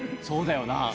そうだよな。